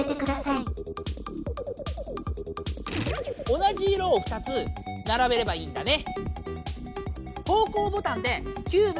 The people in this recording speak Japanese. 同じ色を２つならべればいいんだね。